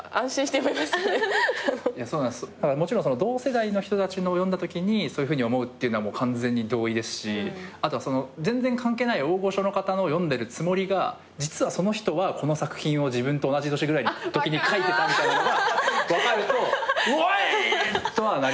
もちろん同世代の人たちのを読んだときにそういうふうに思うっていうのは完全に同意ですしあと全然関係ない大御所の方のを読んでるつもりが実はその人はこの作品を自分と同じ年ぐらいのときに書いてたみたいなのが分かると「おい！」とはなりますよね。